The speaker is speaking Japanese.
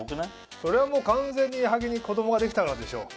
それはもう完全に矢作に子どもができたからでしょう。